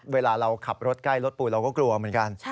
เวลาเราขับรถใกล้รถปูเราก็กลัวเหมือนกัน